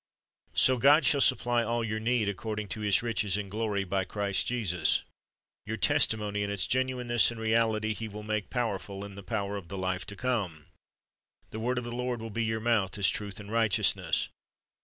So "God shall supply all your need according to His riches in glory by Christ Jesus." ^ Your testimony in its genuineness and reality He will make powerful in the power of the life to come. The word of the Lord will be in your mouth as truth and righteousness.